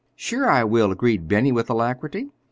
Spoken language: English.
"Sure I will," agreed Benny with alacrity.